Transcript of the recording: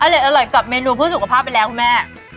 เอาอย่างนี้อร่อยกับเมนูผู้สุขภาพไปแล้วคุณแม่